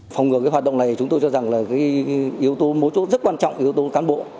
phòng ngừa cái hoạt động này chúng tôi cho rằng là yếu tố mối chốt rất quan trọng của yếu tố cán bộ